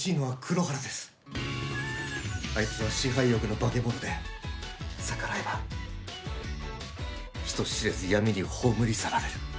あいつは支配欲の化け物で逆らえば人知れず闇に葬り去られる。